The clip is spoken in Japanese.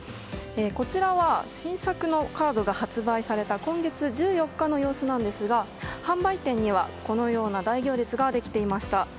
こちらは新作のカードが発売された今月１４日の様子なんですが販売店にはこのような大行列ができていました。